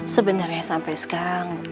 sebenarnya sampai sekarang